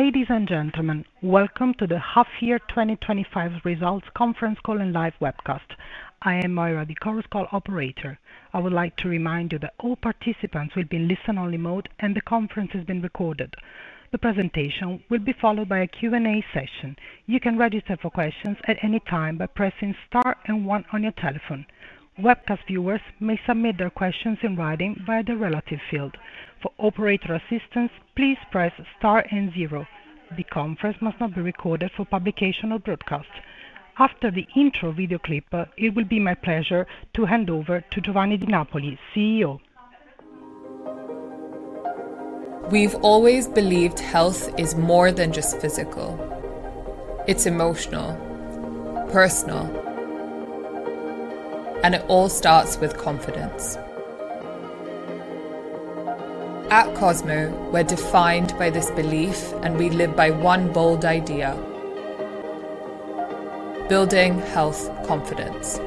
Ladies and gentlemen, welcome to the Half Year 2025 Results Conference Call and live webcast. I am Maura, the course call operator. I would like to remind you that all participants will be listening on remote and the conference is being recorded. The presentation will be followed by a Q&A session. You can register for questions at any time by pressing star and one on your telephone. Webcast viewers may submit their questions in writing via the relative field. For operator assistance, please press star and zero. The conference must not be recorded for publication or broadcast. After the intro video clip, it will be my pleasure to hand over to Giovanni Di Napoli, CEO. We've always believed health is more than just physical. It's emotional, personal, and it all starts with confidence. At Cosmo Pharmaceuticals, we're defined by this belief and we live by one bold idea: building health confidence.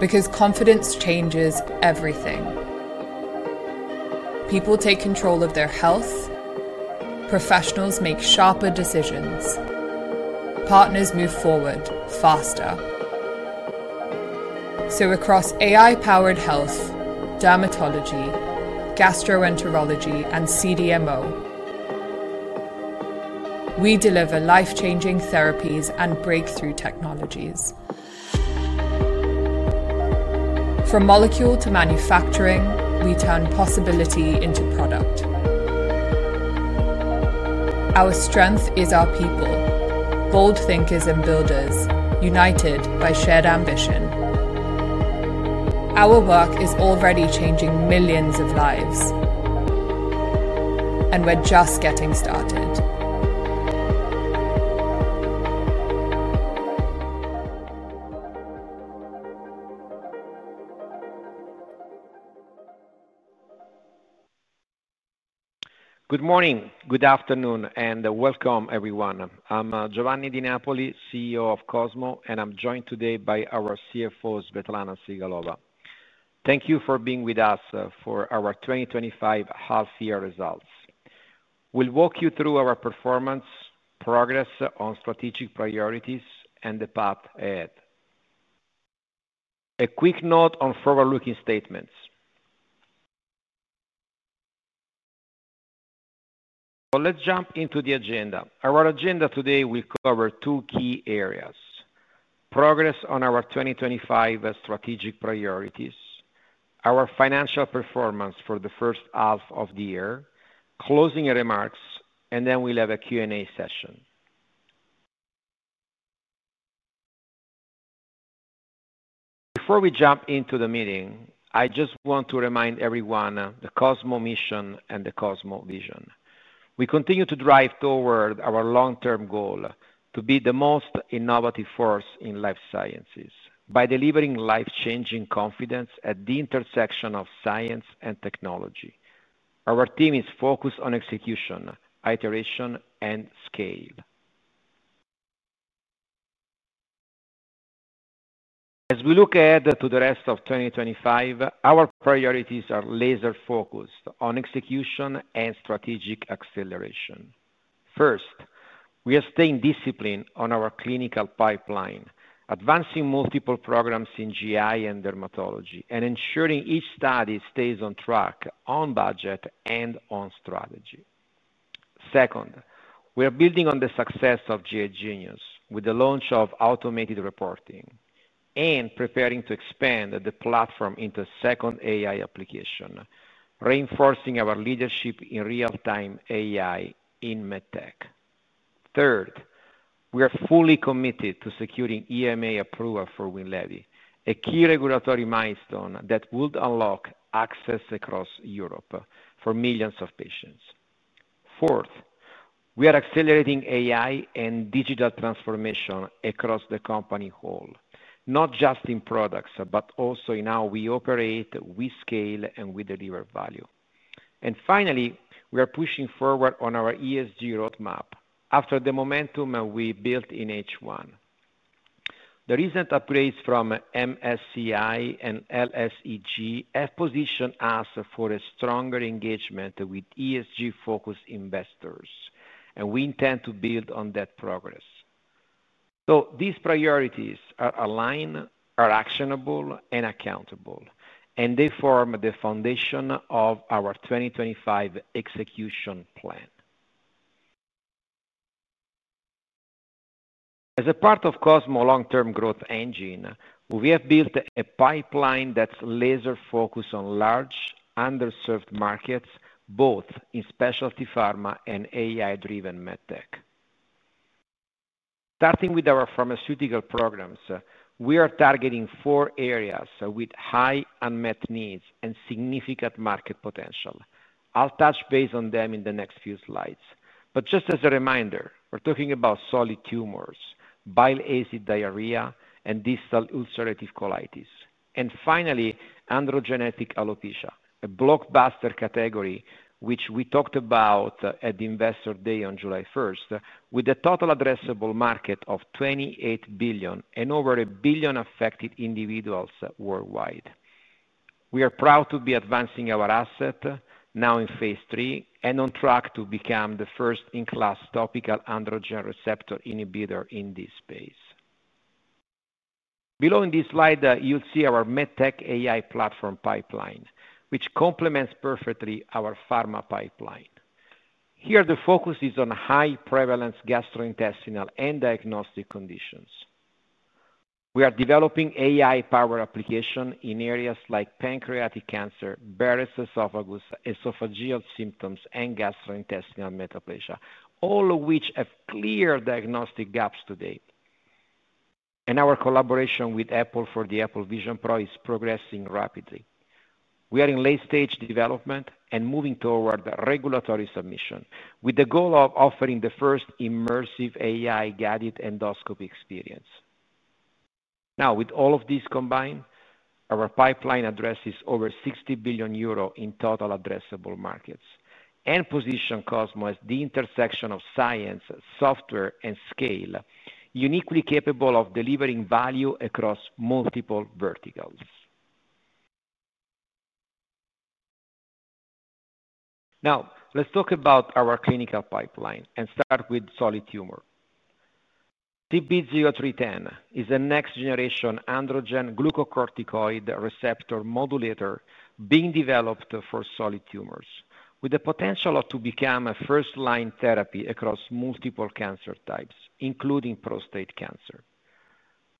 Because confidence changes everything. People take control of their health, professionals make sharper decisions, partners move forward faster. Across AI-powered health, dermatology, gastroenterology, and CDMO, we deliver life-changing therapies and breakthrough technologies. From molecule to manufacturing, we turn possibility into product. Our strength is our people, bold thinkers and builders, united by shared ambition. Our work is already changing millions of lives, and we're just getting started. Good morning, good afternoon, and welcome everyone. I'm Giovanni Di Napoli, CEO of Cosmo, and I'm joined today by our CFO, Svetlana Sigalova. Thank you for being with us for our 2025 Half-Year Results. We'll walk you through our performance, progress on strategic priorities, and the path ahead. A quick note on forward-looking statements. Let's jump into the agenda. Our agenda today will cover two key areas: progress on our 2025 strategic priorities, our financial performance for the first half of the year, closing remarks, and then we'll have a Q&A session. Before we jump into the meeting, I just want to remind everyone of the Cosmo mission and the Cosmo vision. We continue to drive toward our long-term goal to be the most innovative force in life sciences by delivering life-changing confidence at the intersection of science and technology. Our team is focused on execution, iteration, and scale. As we look ahead to the rest of 2025, our priorities are laser-focused on execution and strategic acceleration. First, we are staying disciplined on our clinical pipeline, advancing multiple programs in GI and dermatology, and ensuring each study stays on track, on budget, and on strategy. Second, we are building on the success of GI Genius with the launch of automated reporting and preparing to expand the platform into a second AI application, reinforcing our leadership in real-time AI in medtech. Third, we are fully committed to securing EMA approval for Winlevi, a key regulatory milestone that will unlock access across Europe for millions of patients. Fourth, we are accelerating AI and digital transformation across the company as a whole, not just in products, but also in how we operate, we scale, and we deliver value. Finally, we are pushing forward on our ESG roadmap after the momentum we built in H1. The recent upgrades from MSCI and LSEG have positioned us for a stronger engagement with ESG-focused investors, and we intend to build on that progress. These priorities are aligned, are actionable, and accountable, and they form the foundation of our 2025 execution plan. As a part of Cosmo long-term growth engine, we have built a pipeline that's laser-focused on large, underserved markets, both in specialty pharma and AI-driven medtech. Starting with our pharmaceutical programs, we are targeting four areas with high unmet needs and significant market potential. I'll touch base on them in the next few slides. Just as a reminder, we're talking about solid tumors, bile acid diarrhea, and distal ulcerative colitis. Finally, androgenetic alopecia, a blockbuster category which we talked about at the investor day on July 1, with a total addressable market of 28 billion and over a billion affected individuals worldwide. We are proud to be advancing our asset, now in phase III, and on track to become the first in-class topical androgen receptor inhibitor in this space. Below in this slide, you'll see our medtech AI platform pipeline, which complements perfectly our pharma pipeline. Here, the focus is on high-prevalence gastrointestinal and diagnostic conditions. We are developing AI-powered applications in areas like pancreatic cancer, Barrett's esophagus, esophageal symptoms, and gastrointestinal metaplasia, all of which have clear diagnostic gaps to date. Our collaboration with Apple for the Apple Vision Pro is progressing rapidly. We are in late-stage development and moving toward regulatory submission, with the goal of offering the first immersive AI-guided endoscopy experience. With all of this combined, our pipeline addresses overEUR 60 billion in total addressable markets and positions Cosmo at the intersection of science, software, and scale, uniquely capable of delivering value across multiple verticals. Let's talk about our clinical pipeline and start with solid tumor. TP0310 is a next-generation androgen glucocorticoid receptor modulator being developed for solid tumors, with the potential to become a first-line therapy across multiple cancer types, including prostate cancer.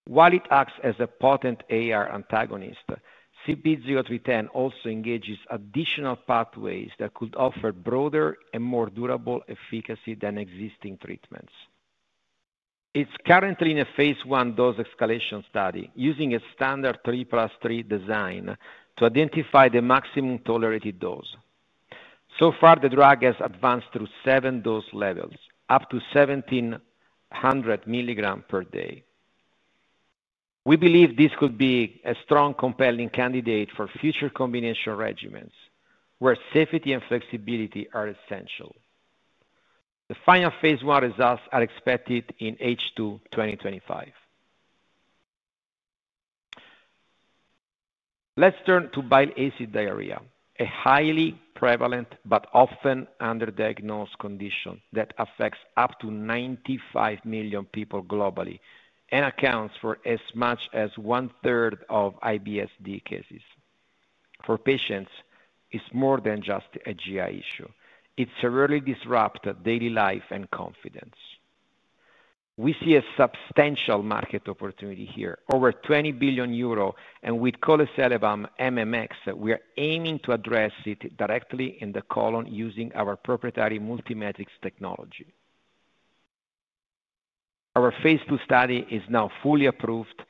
While it acts as a potent AR antagonist, TP0310 also engages additional pathways that could offer broader and more durable efficacy than existing treatments. It's currently in a phase I dose escalation study using a standard 3 + 3 design to identify the maximum tolerated dose. So far, the drug has advanced through seven dose levels, up to 1,700 milligrams per day. We believe this could be a strong, compelling candidate for future combination regimens where safety and flexibility are essential. The final phase I results are expected in H2 2025. Let's turn to bile acid diarrhea, a highly prevalent but often underdiagnosed condition that affects up to 95 million people globally and accounts for as much as one-third of IBSD cases. For patients, it's more than just a GI issue. It severely disrupts daily life and confidence. We see a substantial market opportunity here, over 20 billion euro, and with colicerbam MMX, we are aiming to address it directly in the colon using our proprietary multi-matrix technology. Our phase II study is now fully approved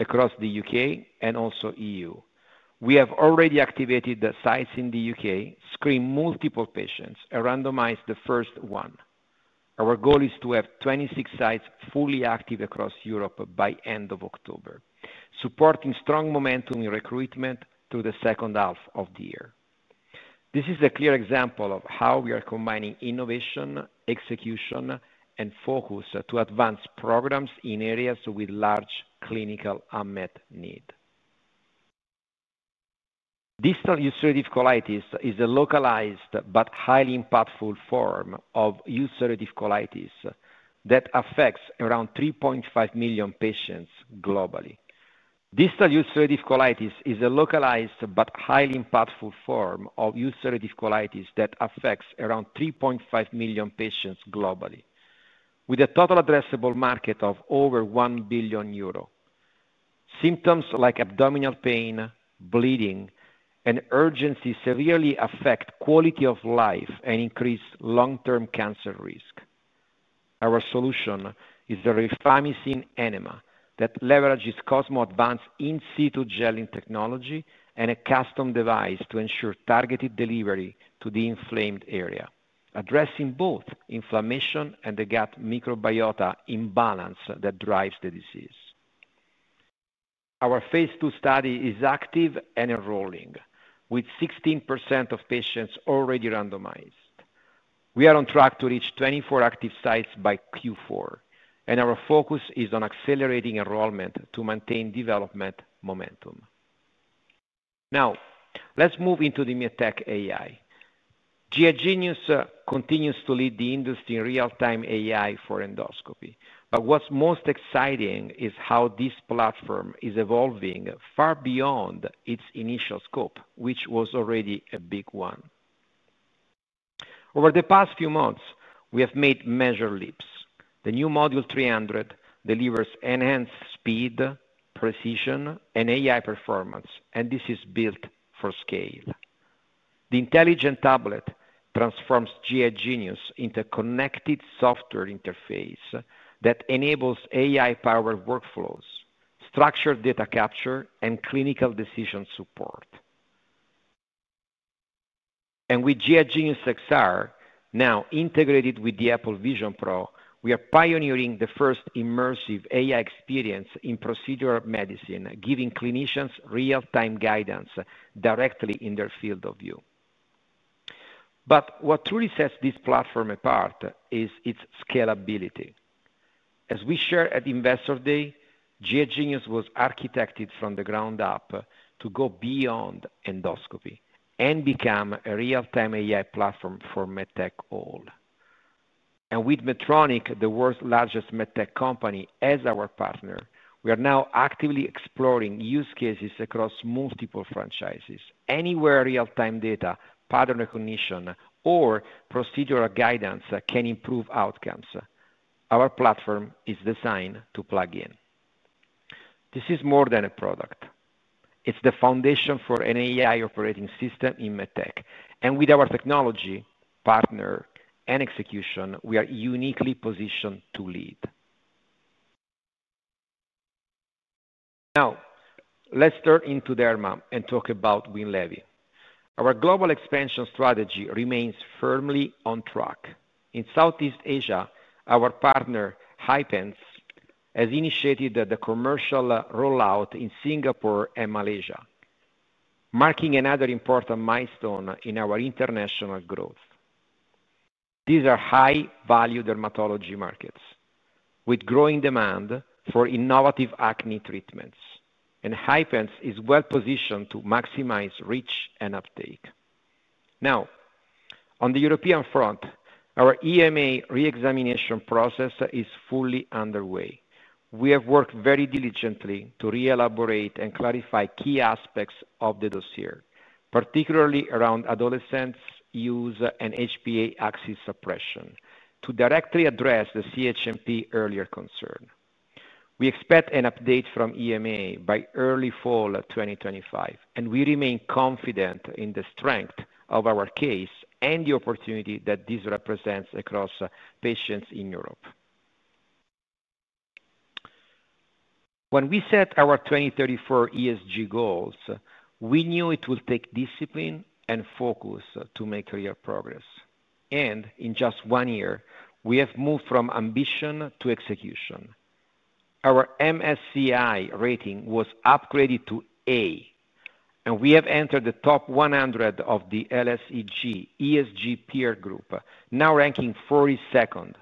across the U.K. and also EU. We have already activated the sites in the U.K., screened multiple patients, and randomized the first one. Our goal is to have 26 sites fully active across Europe by the end of October, supporting strong momentum in recruitment through the second half of the year. This is a clear example of how we are combining innovation, execution, and focus to advance programs in areas with large clinical unmet needs. Distal ulcerative colitis is a localized but highly impactful form of ulcerative colitis that affects around 3.5 million patients globally, with a total addressable market of over 1 billion euro. Symptoms like abdominal pain, bleeding, and urgency severely affect quality of life and increase long-term cancer risk. Our solution is the rifampicin enema that leverages Cosmo advanced in-situ gelling technology and a custom device to ensure targeted delivery to the inflamed area, addressing both inflammation and the gut microbiota imbalance that drives the disease. Our phase II study is active and enrolling, with 16% of patients already randomized. We are on track to reach 24 active sites by Q4, and our focus is on accelerating enrollment to maintain development momentum. Now, let's move into the medtech AI. GI Genius continues to lead the industry in real-time AI for endoscopy. What is most exciting is how this platform is evolving far beyond its initial scope, which was already a big one. Over the past few months, we have made major leaps. The new model 300 delivers enhanced speed, precision, and AI performance, and this is built for scale. The intelligent tablet transforms GI Genius into a connected software interface that enables AI-`powered workflows, structured data capture, and clinical decision support. With GI Genius XR, now integrated with the Apple Vision Pro, we are pioneering the first immersive AI experience in procedural medicine, giving clinicians real-time guidance directly in their field of view. What truly sets this platform apart is its scalability. As we shared at Investor Day, GI Genius was architected from the ground up to go beyond endoscopy and become a real-time AI platform for medtech all. With Medtronic, the world's largest medtech company, as our partner, we are now actively exploring use cases across multiple franchises. Anywhere real-time data, pattern recognition, or procedural guidance can improve outcomes, our platform is designed to plug in. This is more than a product. It's the foundation for an AI operating system in medtech, and with our technology, partner, and execution, we are uniquely positioned to lead. Now, let's turn into derma and talk about Winlevi. Our global expansion strategy remains firmly on track. In Southeast Asia, our partner, Hypens, has initiated the commercial rollout in Singapore and Malaysia, marking another important milestone in our international growth. These are high-value dermatology markets with growing demand for innovative acne treatments, and Hypens is well-positioned to maximize reach and uptake. On the European front, our EMA re-examination process is fully underway. We have worked very diligently to re-elaborate and clarify key aspects of the dossier, particularly around adolescents, youth, and HPA axis suppression, to directly address the CHMP earlier concern. We expect an update from EMA by early fall 2025, and we remain confident in the strength of our case and the opportunity that this represents across patients in Europe. When we set our 2034 ESG goals, we knew it will take discipline and focus to make real progress. In just one year, we have moved from ambition to execution. Our MSCI rating was upgraded to A, and we have entered the top 100 of the LSEG ESG peer group, now ranking 42nd.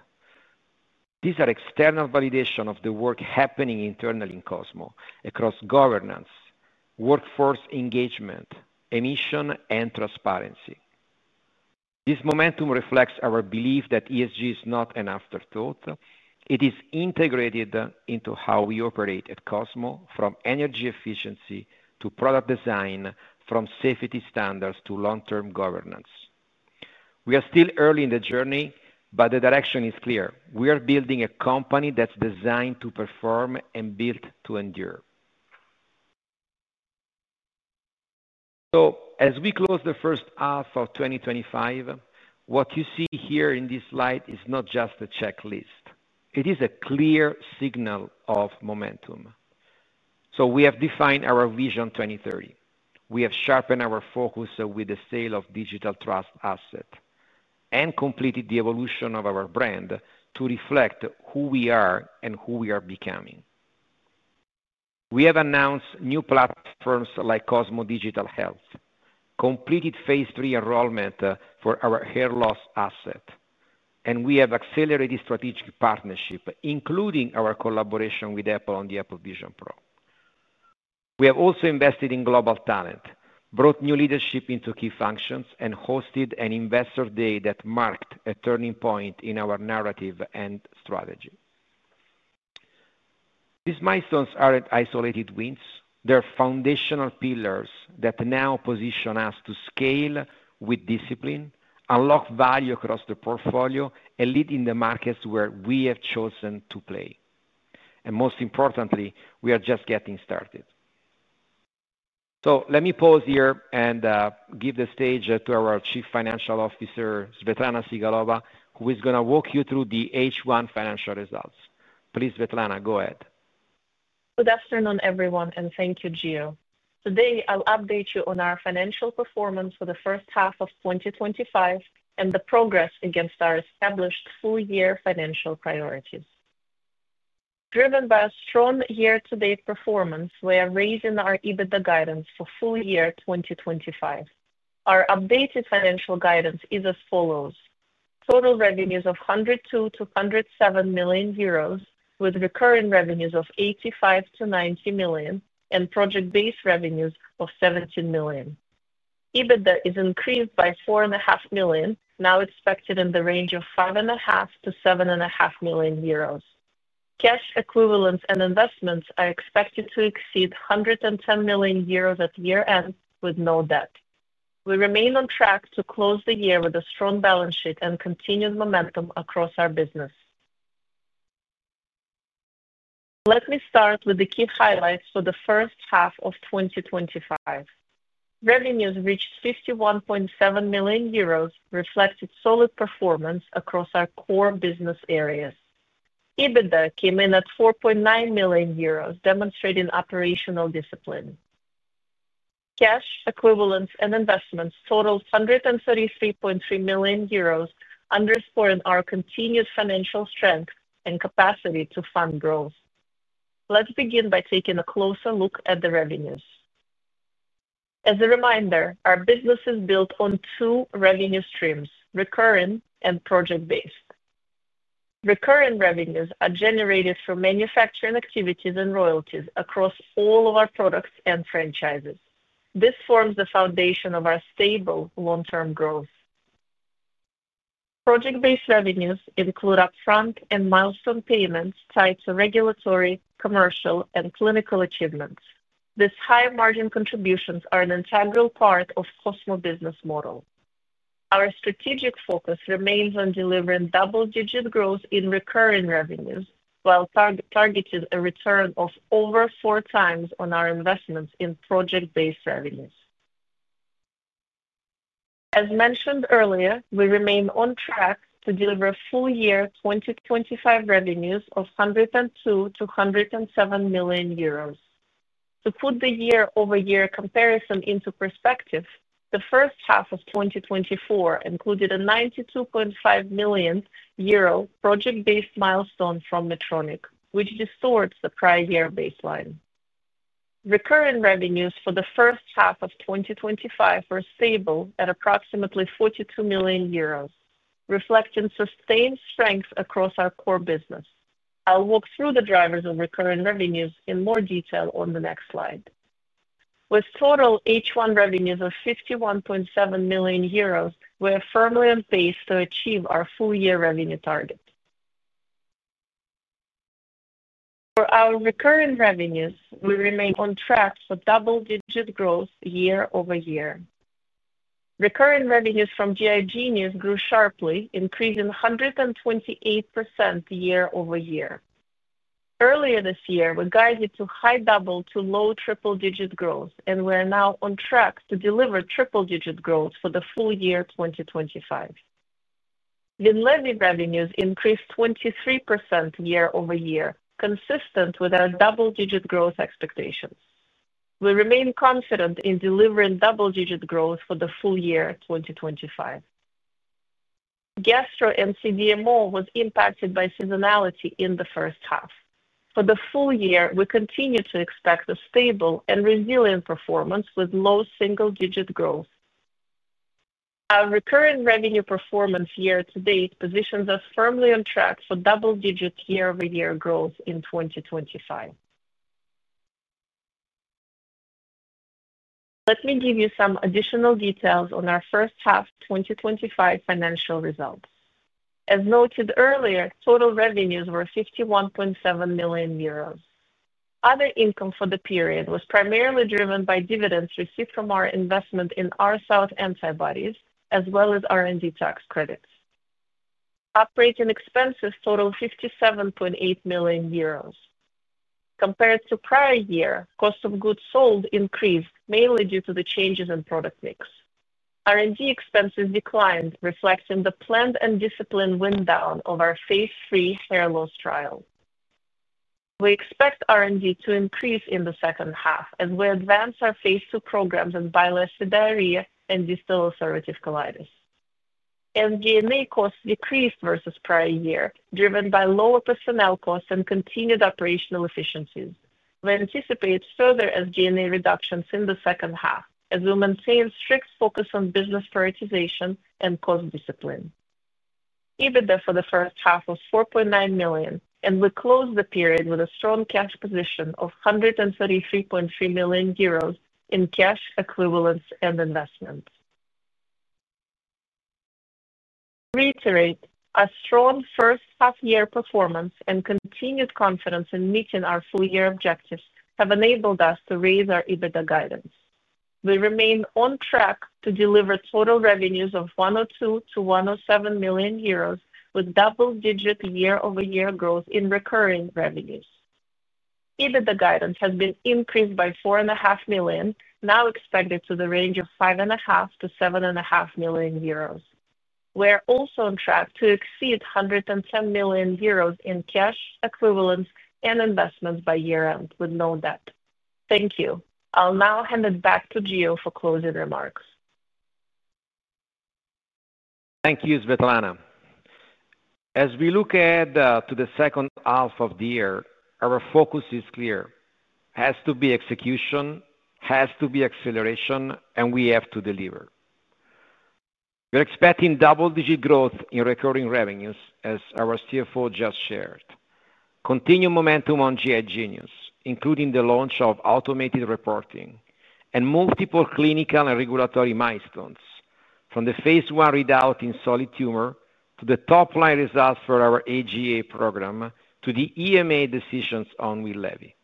These are external validations of the work happening internally in Cosmo, across governance, workforce engagement, emission, and transparency. This momentum reflects our belief that ESG is not an afterthought. It is integrated into how we operate at Cosmo, from energy efficiency to product design, from safety standards to long-term governance. We are still early in the journey, but the direction is clear. We are building a company that's designed to perform and built to endure. As we close the first half of 2025, what you see here in this slide is not just a checklist. It is a clear signal of momentum. We have defined our vision 2030. We have sharpened our focus with the sale of digital trust assets and completed the evolution of our brand to reflect who we are and who we are becoming. We have announced new platforms like Cosmo Digital Health, completed phase III enrollment for our hair loss asset, and we have accelerated strategic partnerships, including our collaboration with Apple on the Apple Vision Pro. We have also invested in global talent, brought new leadership into key functions, and hosted an investor day that marked a turning point in our narrative and strategy. These milestones aren't isolated wins. They are foundational pillars that now position us to scale with discipline, unlock value across the portfolio, and lead in the markets where we have chosen to play. Most importantly, we are just getting started. Let me pause here and give the stage to our Chief Financial Officer, Svetlana Sigalova, who is going to walk you through the H1 financial results. Please, Svetlana, go ahead. Good afternoon, everyone, and thank you, Gio. Today, I'll update you on our financial performance for the first half of 2025 and the progress against our established full-year financial priorities. Driven by a strong year-to-date performance, we are raising our EBITDA guidance for full year 2025. Our updated financial guidance is as follows: total revenues of 102 to 107 million euros, with recurring revenues of 85 to 90 million, and project-based revenues of 17 million. EBITDA is increased by 4.5 million, now expected in the range of 5.5 -7.5 million euros. Cash equivalents and investments are expected to exceed 110 million euros at year-end, with no debt. We remain on track to close the year with a strong balance sheet and continued momentum across our business. Let me start with the key highlights for the first half of 2025. Revenues reached 51.7 million euros, reflecting solid performance across our core business areas. EBITDA came in at 4.9 million euros, demonstrating operational discipline. Cash equivalents and investments totaled 133.3 million euros, underscoring our continued financial strength and capacity to fund growth. Let's begin by taking a closer look at the revenues. As a reminder, our business is built on two revenue streams: recurring and project-based. Recurring revenues are generated from manufacturing activities and royalties across all of our products and franchises. This forms the foundation of our stable long-term growth. Project-based revenues include upfront and milestone payments tied to regulatory, commercial, and clinical achievements. These high margin contributions are an integral part of the Cosmo business model. Our strategic focus remains on delivering double-digit growth in recurring revenues, while targeting a return of over four times on our investments in project-based revenues. As mentioned earlier, we remain on track to deliver full-year 2025 revenues of 102 to 107 million euros. To put the year-over-year comparison into perspective, the first half of 2024 included a 92.5 million euro project-based milestone from Medtronic, which distorts the prior year baseline. Recurring revenues for the first half of 2025 were stable at approximately 42 million euros, reflecting sustained strength across our core business. I'll walk through the drivers of recurring revenues in more detail on the next slide. With total H1 revenues of 51.7 million euros, we are firmly on pace to achieve our full-year revenue target. For our recurring revenues, we remain on track for double-digit growth year-over-year. Recurring revenues from GI Genius grew sharply, increasing 128% year-over-year. Earlier this year, we guided to high double to low triple-digit growth, and we are now on track to deliver triple-digit growth for the full year 2025. Winlevi revenues increased 23% year-over-year, consistent with our double-digit growth expectations. We remain confident in delivering double-digit growth for the full year 2025. Gastro and CDMO were impacted by seasonality in the first half. For the full year, we continue to expect a stable and resilient performance with low single-digit growth. Our recurring revenue performance year to date positions us firmly on track for double-digit year-over-year growth in 2025. Let me give you some additional details on our first half 2025 financial result. As noted earlier, total revenues were 51.7 million euros. Other income for the period was primarily driven by dividends received from our investment in RSouth Antibodies, as well as R&D tax credits. Operating expenses totaled 57.8 million euros. Compared to prior year, cost of goods sold increased, mainly due to the changes in product mix. R&D expenses declined, reflecting the planned and disciplined wind down of our phase III hair loss trial. We expect R&D to increase in the second half as we advance our phase II programs in bile acid diarrhea and distal ulcerative colitis. MG&A costs decreased versus prior year, driven by lower personnel costs and continued operational efficiency. We anticipate further MG&A reductions in the second half as we maintain strict focus on business prioritization and cost discipline. EBITDA for the first half was 4.9 million, and we closed the period with a strong cash position of 133.3 million euros in cash equivalents and investments. Reiterate, our strong first half-year performance and continued confidence in meeting our full-year objectives have enabled us to raise our EBITDA guidance. We remain on track to deliver total revenues of 102 to 107 million euros, with double-digit year-over-year growth in recurring revenues. EBITDA guidance has been increased by 4.5 million, now expected to the range of 5.5 - 7.5 million euros. We are also on track to exceed 110 million euros in cash equivalents and investments by year-end, with no debt. Thank you. I'll now hand it back to Gio for closing remarks. Thank you, Svetlana. As we look ahead to the second half of the year, our focus is clear. It has to be execution, has to be acceleration, and we have to deliver. We're expecting double-digit growth in recurring revenues, as our CFO just shared. Continued momentum on GI Genius, including the launch of automated reporting and multiple clinical and regulatory milestones, from the phase I readout in solid tumors to the top-line results for our androgenetic alopecia program to the EMA decisions on Winlevi.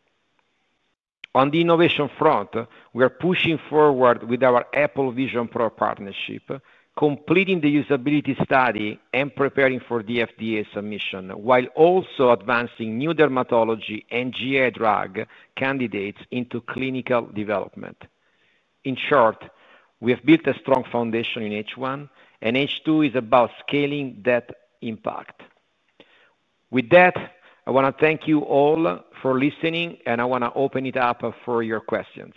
On the innovation front, we are pushing forward with our Apple Vision Pro partnership, completing the usability study and preparing for the FDA submission, while also advancing new dermatology and GI drug candidates into clinical development. In short, we have built a strong foundation in H1, and H2 is about scaling that impact. With that, I want to thank you all for listening, and I want to open it up for your questions.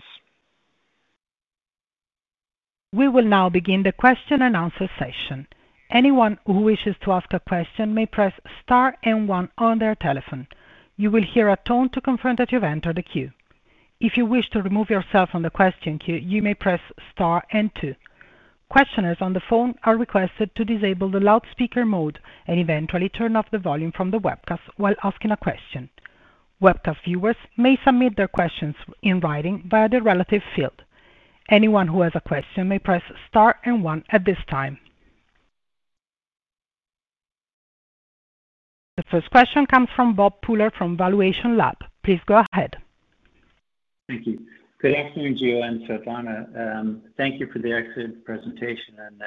We will now begin the question and answer session. Anyone who wishes to ask a question may press star and one on their telephone. You will hear a tone to confirm that you've entered the queue. If you wish to remove yourself from the question queue, you may press star and two. Questioners on the phone are requested to disable the loudspeaker mode and eventually turn off the volume from the webcast while asking a question. Webcast viewers may submit their questions in writing via the relative field. Anyone who has a question may press star and one at this time. The first question comes from Bob Pooler from valuationLab. Please go ahead. Thank you. Good afternoon, Gio and Svetlana. Thank you for the excellent presentation and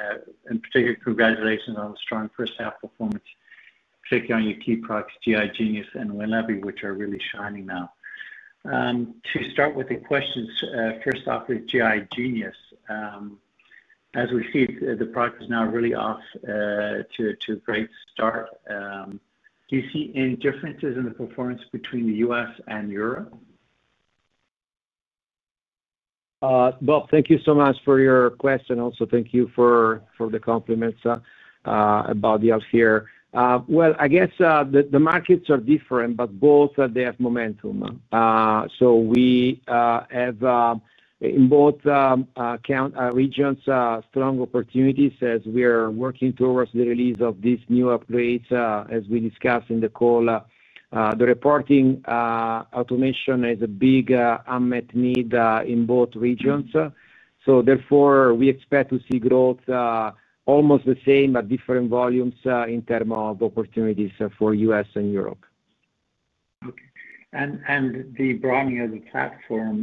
in particular congratulations on the strong first half performance, particularly on your key products, GI Genius and Winlevi, which are really shining now. To start with the questions, first off is GI Genius. As we see, the product is now really off to a great start. Do you see any differences in the performance between the U.S. and Europe? Bob, thank you so much for your question. Also, thank you for the compliments about the healthcare. I guess the markets are different, but both have momentum. We have in both regions strong opportunities as we are working towards the release of these new upgrades. As we discussed in the call, the reporting automation is a big unmet need in both regions. Therefore, we expect to see growth almost the same, but different volumes in terms of opportunities for U.S. and Europe. Okay. The branding of the platform,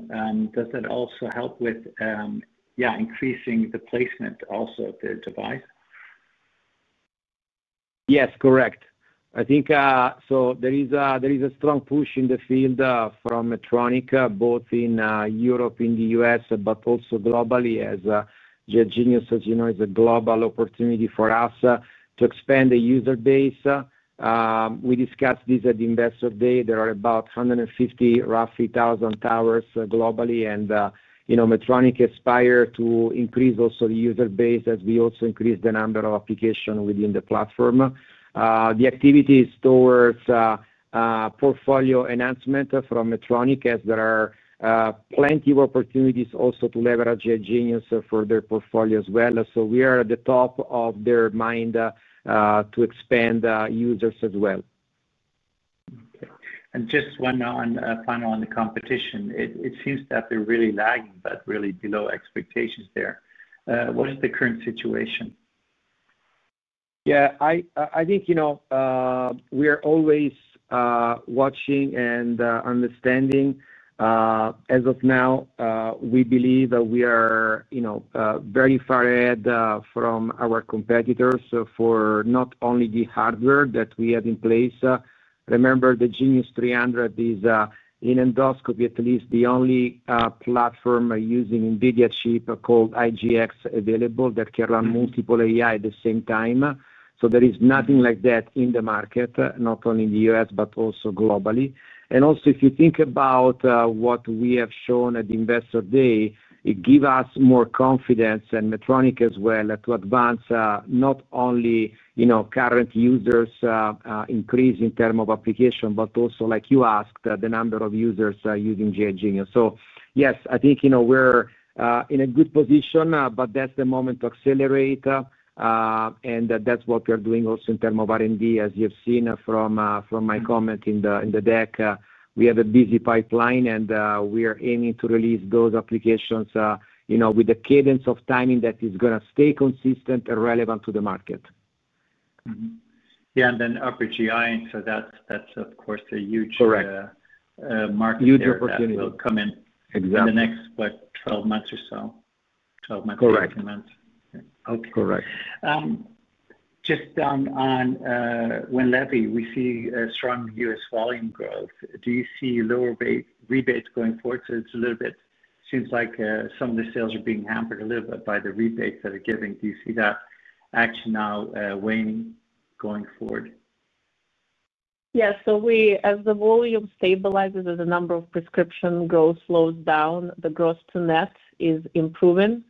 does that also help with increasing the placement also of the device? Yes, correct. I think there is a strong push in the field from Medtronic, both in Europe, in the U.S., but also globally, as GI Genius, as you know, is a global opportunity for us to expand the user base. We discussed this at the investor day. There are about 150, roughly 1,000 towers globally, and you know Medtronic aspires to increase also the user base as we also increase the number of applications within the platform. The activity is towards portfolio enhancement from Medtronic, as there are plenty of opportunities also to leverage GI Genius for their portfolio as well. We are at the top of their mind to expand users as well. Okay. Just one final on the competition. It seems that they're really lagging, but really below expectations there. What is the current situation? Yeah, I think you know we are always watching and understanding. As of now, we believe that we are very far ahead from our competitors for not only the hardware that we have in place. Remember, the Genius 300 is in endoscopy at least the only platform using NVIDIA chip called IGX available that can run multiple AI at the same time. There is nothing like that in the market, not only in the U.S., but also globally. Also, if you think about what we have shown at the investor day, it gives us more confidence and Medtronic as well to advance not only current users' increase in terms of application, but also, like you asked, the number of users using GI Genius. Yes, I think you know we're in a good position, that's the moment to accelerate. That's what we are doing also in terms of R&D, as you've seen from my comment in the deck. We have a busy pipeline, and we are aiming to release those applications with a cadence of timing that is going to stay consistent and relevant to the market. Yeah, Upper GI, so that's, of course, a huge market. Correct. Huge opportunity. That will come in in the next 12 to 15 months. Correct. Okay. Correct. Just on Winlevi, we see a strong U.S. volume growth. Do you see lower rebates going forward? It seems like some of the sales are being hampered a little bit by the rebates that are given. Do you see that actually now waning going forward? Yeah, as the volume stabilizes and the number of prescriptions has slowed down, the gross to net is improving.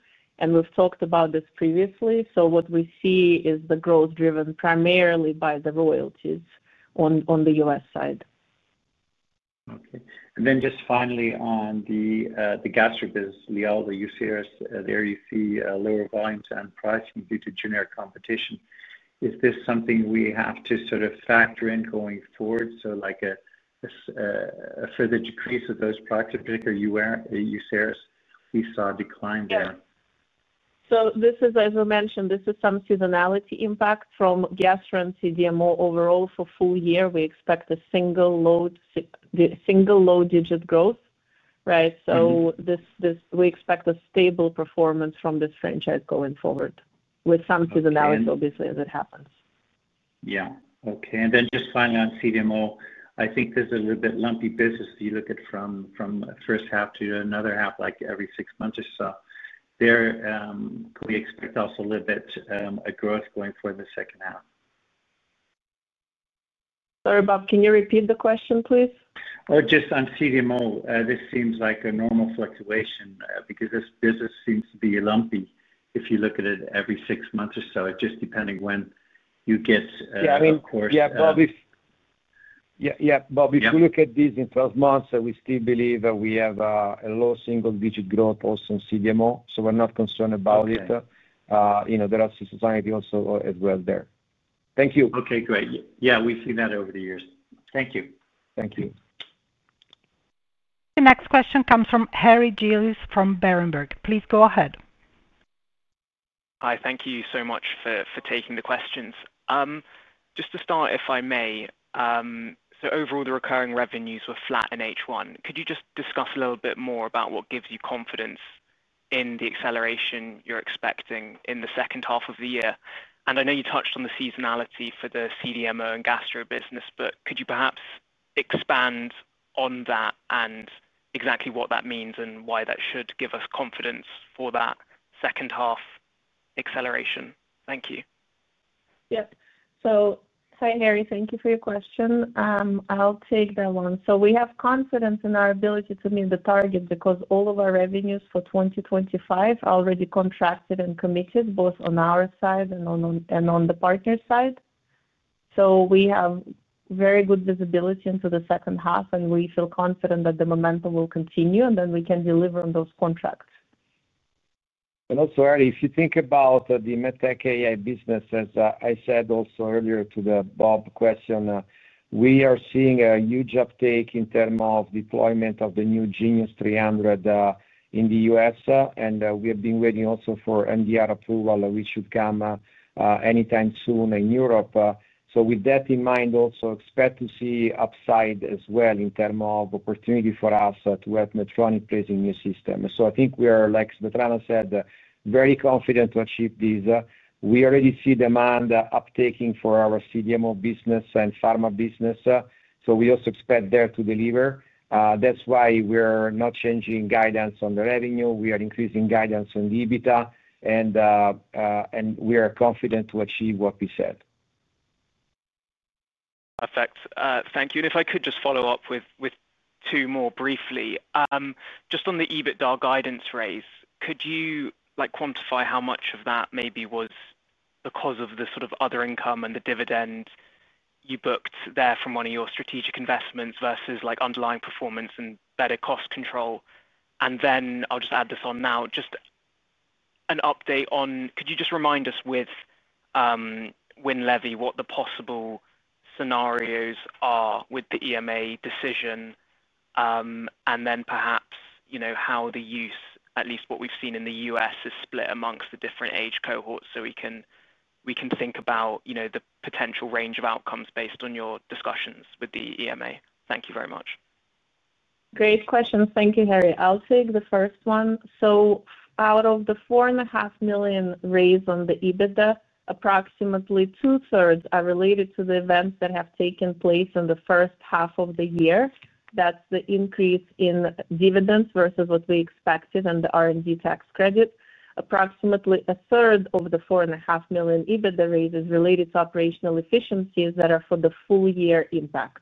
We've talked about this previously. What we see is the growth driven primarily by the royalties on the U.S. side. Okay. Finally, on the gastric business, Lialda, Uceris, there you see lower volumes and pricing due to generic competition. Is this something we have to sort of factor in going forward? Like a further decrease of those products, in particular Uceris? We saw a decline there. This is, as I mentioned, some seasonality impact from gastro and CDMO. Overall, for the full year, we expect a single low-digit growth, right? We expect a stable performance from this franchise going forward with some seasonality, obviously, as it happens. Okay. Finally, on CDMO, I think this is a bit lumpy business. You look at from a first half to another half, like every six months or so. We expect also a little bit, a growth going forward in the second half. Sorry, Bob, can you repeat the question, please? Oh, just on CDMO, this seems like a normal fluctuation because this business seems to be lumpy if you look at it every six months or so, just depending when you get a course. Yeah, yeah, Bob, if you look at this in 12 months, we still believe that we have a low single-digit growth also in CDMO. We're not concerned about it. There are some society also as well there. Thank you. Okay, great. We've seen that over the years. Thank you. Thank you. The next question comes from Harry Gillis from Berenberg. Please go ahead. Hi, thank you so much for taking the questions. Just to start, if I may, so overall, the recurring revenues were flat in H1. Could you just discuss a little bit more about what gives you confidence in the acceleration you're expecting in the second half of the year? I know you touched on the seasonality for the CDMO and gastro business, could you perhaps expand on that and exactly what that means and why that should give us confidence for that second half acceleration? Thank you. Hi Harry, thank you for your question. I'll take that one. We have confidence in our ability to meet the target because all of our revenues for 2025 are already contracted and committed, both on our side and on the partner's side. We have very good visibility into the second half, and we feel confident that the momentum will continue, and we can deliver on those contracts. Harry, if you think about the medtech AI business, as I said earlier to the Bob question, we are seeing a huge uptake in terms of deployment of the new Genius 300 in the U.S., and we have been waiting also for MDR approval, which should come anytime soon in Europe. With that in mind, also expect to see upside as well in terms of opportunity for us to help Medtronic place a new system. I think we are, like Svetlana said, very confident to achieve this. We already see demand uptaking for our CDMO business and pharma business. We also expect there to deliver. That's why we're not changing guidance on the revenue. We are increasing guidance on EBITDA, and we are confident to achieve what we said. Perfect. Thank you. If I could just follow up with two more briefly, just on the EBITDA guidance raise, could you quantify how much of that maybe was because of the sort of other income and the dividend you booked there from one of your strategic investments versus underlying performance and better cost control? I'll just add this on now. Just an update on, could you remind us with Winlevi what the possible scenarios are with the EMA decision, and then perhaps you know how the use, at least what we've seen in the U.S., is split amongst the different age cohorts so we can think about the potential range of outcomes based on your discussions with the EMA. Thank you very much. Great questions. Thank you, Harry. I'll take the first one. Out of the 4.5 million raised on the EBITDA, approximately two-thirds are related to the events that have taken place in the first half of the year. That's the increase in dividends versus what we expected and the R&D tax credit. Approximately a third of the 4.5 million EBITDA raise is related to operational efficiencies that are for the full-year impact.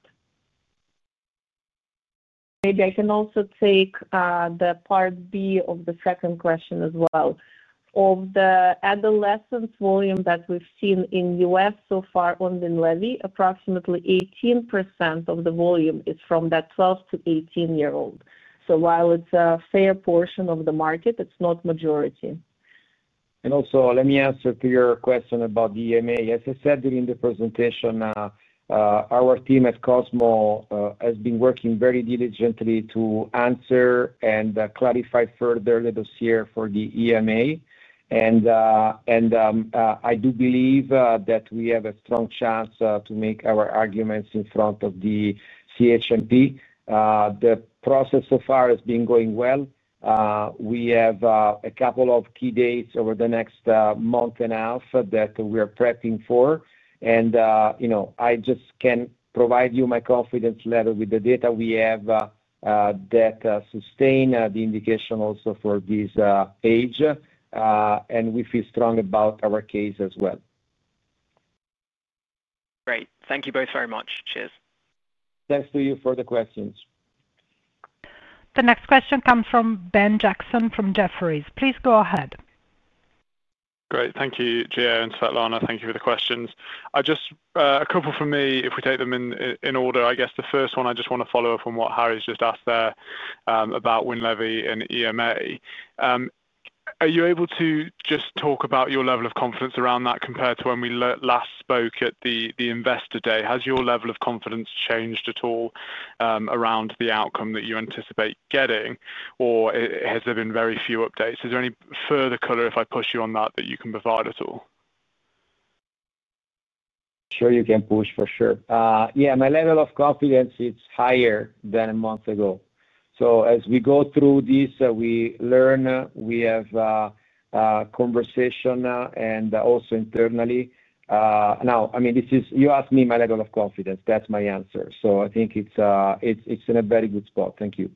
Maybe I can also take the part B of the second question as well. Of the adolescent volume that we've seen in the U.S. so far on Winlevi, approximately 18% of the volume is from that 12-18 year-old. While it's a fair portion of the market, it's not majority. Let me answer your question about the EMA. As I said during the presentation, our team at Cosmo Pharmaceuticals has been working very diligently to answer and clarify further the dossier for the EMA. I do believe that we have a strong chance to make our arguments in front of the CHMP. The process so far has been going well. We have a couple of key dates over the next month and a half that we are prepping for. I just can provide you my confidence level with the data we have that sustain the indication also for this age. We feel strong about our case as well. Great. Thank you both very much. Cheers. Thank you for the questions. The next question comes from Ben Jackson from Jefferies. Please go ahead. Great. Thank you, Gio and Svetlana. Thank you for the questions. I just have a couple for me, if we take them in order. I guess the first one, I just want to follow up on what Harry's just asked there about Winlevi and EMA. Are you able to just talk about your level of confidence around that compared to when we last spoke at the investor day? Has your level of confidence changed at all around the outcome that you anticipate getting, or has there been very few updates? Is there any further color, if I push you on that, that you can provide at all? Sure, you can push for sure. My level of confidence, it's higher than a month ago. As we go through this, we learn, we have a conversation, and also internally. Now, I mean, you asked me my level of confidence. That's my answer. I think it's in a very good spot. Thank you.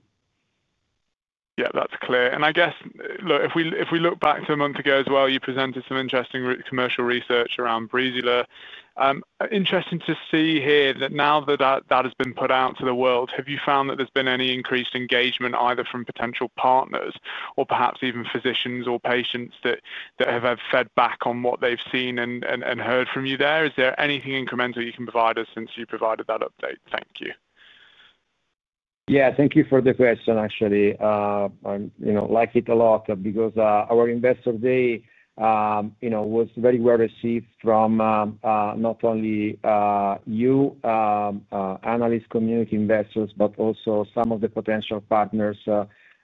Yeah, that's clear. If we look back to a month ago as well, you presented some interesting commercial research around Breezula. Interesting to see here that now that that has been put out to the world, have you found that there's been any increased engagement either from potential partners or perhaps even physicians or patients that have had feedback on what they've seen and heard from you there? Is there anything incremental you can provide us since you provided that update? Thank you. Thank you for the question, actually. I like it a lot because our investor day was very well received from not only you, analysts, community investors, but also some of the potential partners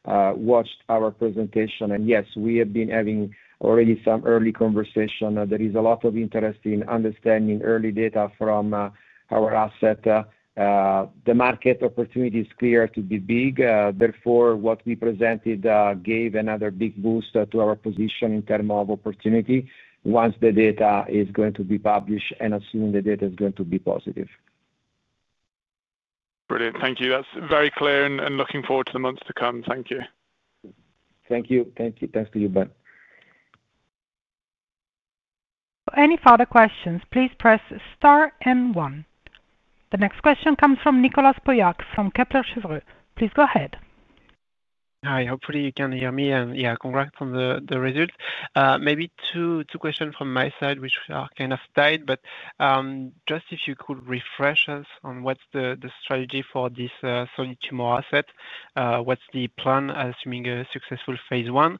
watched our presentation. Yes, we have been having already some early conversation. There is a lot of interest in understanding early data from our asset. The market opportunity is clear to be big. Therefore, what we presented gave another big boost to our position in terms of opportunity once the data is going to be published and assuming the data is going to be positive. Brilliant. Thank you. That's very clear and looking forward to the months to come. Thank you. Thank you. Thank you. Thanks to you, Ben. For any further questions, please press star and one. The next question comes from Nicholas Pauillac from Kepler Cheuvreux. Please go ahead. Hi, hopefully you can hear me. Yeah, congrats on the results. Maybe two questions from my side, which are kind of tied, but just if you could refresh us on what's the strategy for this solid tumor asset? What's the plan assuming a successful phase I?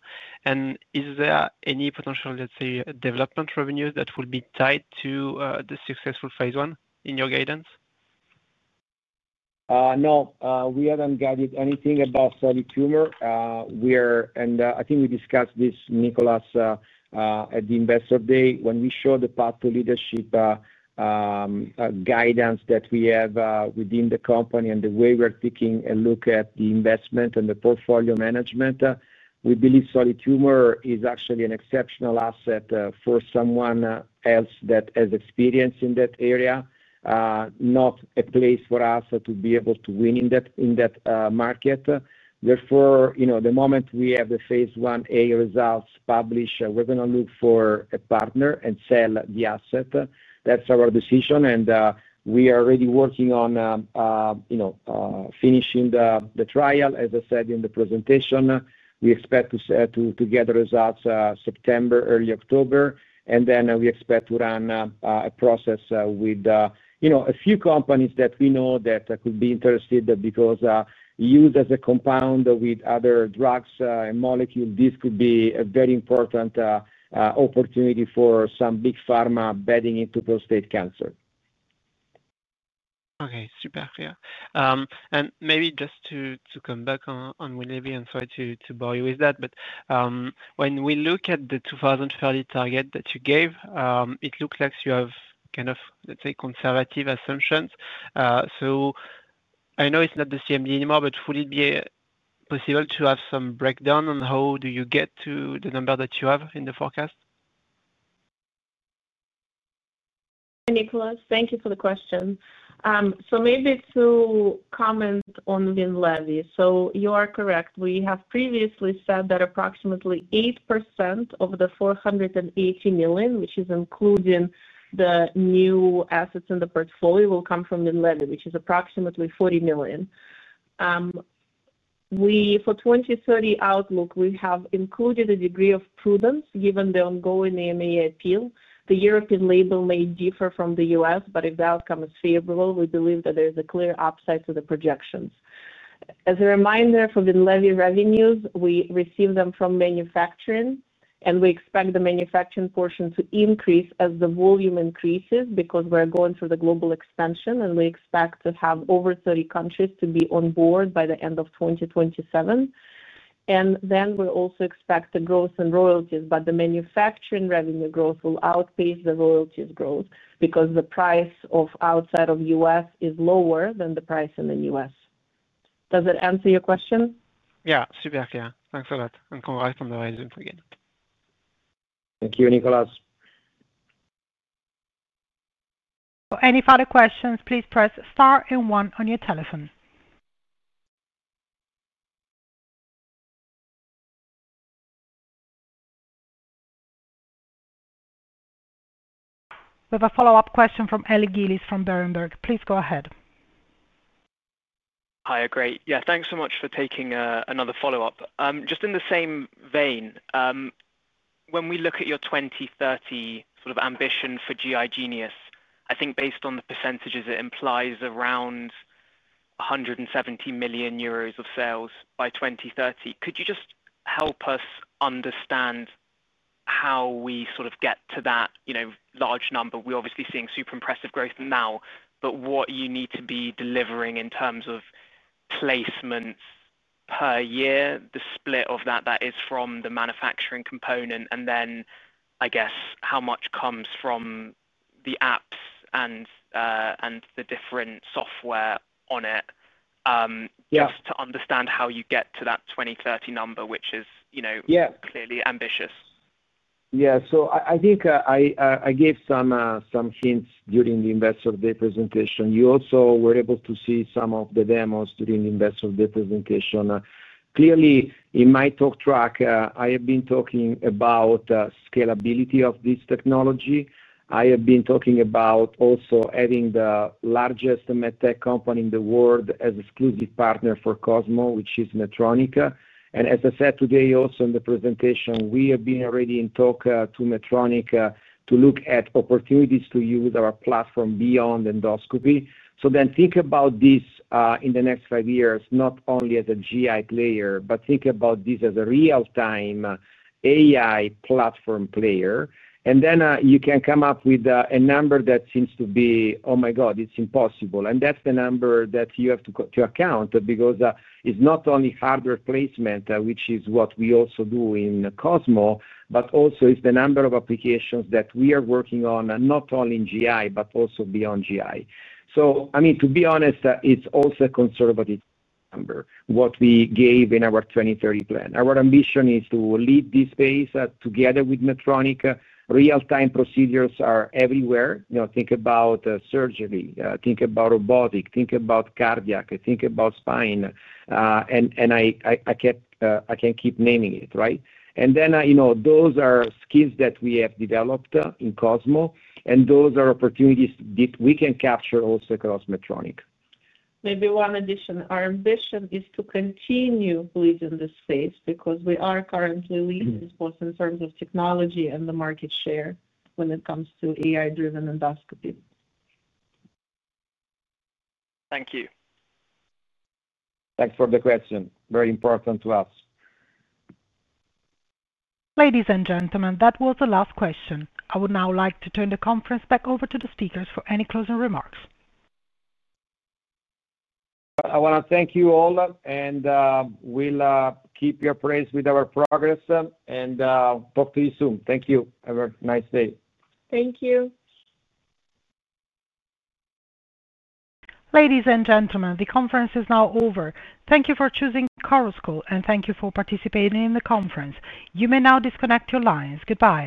Is there any potential, let's say, development revenue that will be tied to the successful phase I in your guidance? No, we haven't guided anything about solid tumors. I think we discussed this, Nicholas, at the investor day when we showed the path to leadership guidance that we have within the company and the way we're taking a look at the investment and the portfolio management. We believe solid tumors are actually an exceptional asset for someone else that has experience in that area, not a place for us to be able to win in that market. Therefore, the moment we have the phase I results published, we're going to look for a partner and sell the asset. That's our decision. We are already working on finishing the trial, as I said in the presentation. We expect to get the results in September, early October. We expect to run a process with a few companies that we know could be interested because used as a compound with other drugs and molecules, this could be a very important opportunity for some big pharma betting into prostate cancer. Okay, super. Maybe just to come back on Winlevi, I'm sorry to bore you with that, but when we look at the 2030 target that you gave, it looks like you have kind of, let's say, conservative assumptions. I know it's not the CMD anymore, but would it be possible to have some breakdown on how do you get to the number that you have in the forecast? Nicholas, thank you for the question. Maybe to comment on Winlevi. You are correct. We have previously said that approximately 8% of the 480 million, which is including the new assets in the portfolio, will come from Winlevi, which is approximately 40 million. For the 2030 outlook, we have included a degree of prudence given the ongoing EMA appeal. The European label may differ from the U.S., but if the outcome is favorable, we believe that there is a clear upside to the projections. As a reminder, for Winlevi revenues, we receive them from manufacturing, and we expect the manufacturing portion to increase as the volume increases because we're going through the global expansion. We expect to have over 30 countries to be on board by the end of 2027. We also expect the growth in royalties, but the manufacturing revenue growth will outpace the royalties growth because the price outside of the U.S. is lower than the price in the U.S. Does that answer your question? Yeah, super clear. Thanks a lot. Congrats on the raising for you. Thank you, Nicholas. For any further questions, please press star one on your telephone. We have a follow-up question from Harry Gillis from Berenberg. Please go ahead. Hi, great. Yeah, thanks so much for taking another follow-up. Just in the same vein, when we look at your 2030 sort of ambition for GI Genius, I think based on the percentages, it implies around 170 million euros of sales by 2030. Could you just help us understand how we sort of get to that, you know, large number? We're obviously seeing super impressive growth now, but what you need to be delivering in terms of placements per year, the split of that that is from the manufacturing component, and then I guess how much comes from the apps and the different software on it. Yeah. To understand how you get to that 2030 number, which is, you know, clearly ambitious. Yeah, I think I gave some hints during the investor day presentation. You also were able to see some of the demos during the investor day presentation. Clearly, in my talk track, I have been talking about the scalability of this technology. I have been talking about also having the largest medtech company in the world as an exclusive partner for Cosmo, which is Medtronic. As I said today also in the presentation, we have been already in talk to Medtronic to look at opportunities to use our platform beyond endoscopy. Think about this in the next five years, not only as a GI player, but think about this as a real-time AI platform player. You can come up with a number that seems to be, oh my God, it's impossible. That's the number that you have to account because it's not only hardware placement, which is what we also do in Cosmo, but also it's the number of applications that we are working on, not only in GI, but also beyond GI. To be honest, it's also a conservative number, what we gave in our 2030 plan. Our ambition is to lead this space together with Medtronic. Real-time procedures are everywhere. Think about surgery, think about robotics, think about cardiac, think about spine, and I can't keep naming it, right? Those are skills that we have developed in Cosmo Pharmaceuticals, and those are opportunities that we can capture also across Medtronic. Maybe one addition. Our ambition is to continue leading this space because we are currently leading both in terms of technology and the market share when it comes to AI-driven endoscopy. Thank you. Thanks for the question. Very important to us. Ladies and gentlemen, that was the last question. I would now like to turn the conference back over to the speakers for any closing remarks. I want to thank you all, and we'll keep you apprised with our progress and talk to you soon. Thank you. Have a nice day. Thank you. Ladies and gentlemen, the conference is now over. Thank you for choosing Cosmo Pharmaceuticals, and thank you for participating in the conference. You may now disconnect your lines. Goodbye.